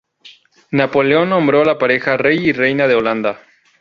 Napoleón nombró a la pareja rey y reina de Holanda.